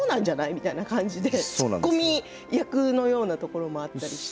みたいな感じで突っ込み役のようなところもあって。